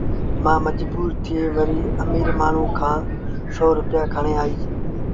مآ مجبور ٿئي وري اميٚر مآڻهوٚٚݩ کآݩ سو روپيآ کڻي آئيٚ